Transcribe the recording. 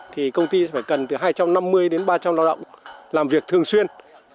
thì công ty phải cần từ hai trăm năm mươi đến ba trăm linh lao động làm việc thường xuyên